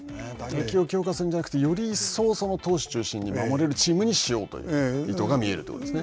強化するのじゃなくてより一層投手中心に守れるチームにしようという意図が見えるということですね。